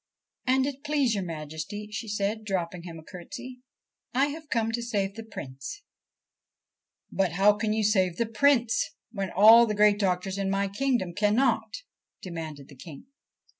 42 THE SERPENT PRINCE ' And it please your Majesty,' she said, dropping him a curtsy, ' I have come to save the Prince." ' But how can you save the Prince when all the great doctors in my kingdom cannot ?' demanded the King.